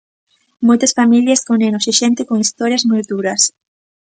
Moitas familias con nenos e xente con historias moi duras.